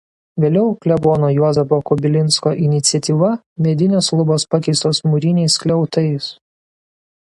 Vėliau klebono Juozapo Kubilinsko iniciatyva medinės lubos pakeistos mūriniais skliautais.